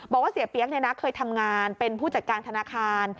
บอกว่าเสียเปี๊ยกเคยทำงานเป็นผู้จัดการธนาคาร